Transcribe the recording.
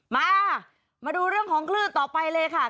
มามาดูเรื่องของคลื่นต่อไปเลยค่ะ